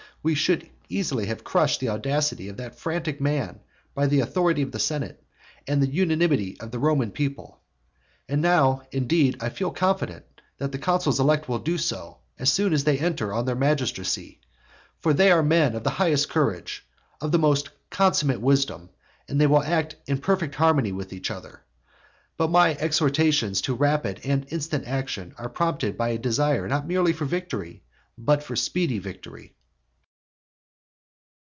For we should easily have crushed the audacity of that frantic man by the authority of the senate and the unanimity of the Roman people. And now, indeed, I feel confident that the consuls elect will do so, as soon as they enter on their magistracy. For they are men of the highest courage, of the most consummate wisdom, and they will act in perfect harmony with each other. But my exhortations to rapid and instant action are prompted by a desire not merely for victory, but for speedy victory.